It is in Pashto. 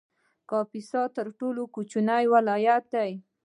کاپیسا تر ټولو کوچنی ولایت دی